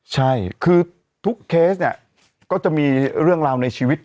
ใช่คือทุกเคสเนี่ยก็จะมีเรื่องราวในชีวิต